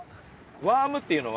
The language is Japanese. ワームっていうのは。